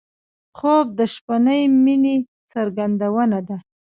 خوب د شپهنۍ مینې څرګندونه ده